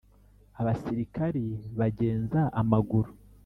abasirikare bagenza amaguru.